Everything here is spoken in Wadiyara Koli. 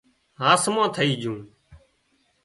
هاس مان ٿئي جھون